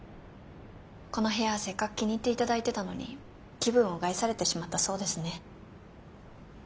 この部屋せっかく気に入っていただいてたのに気分を害されてしまったそうですね。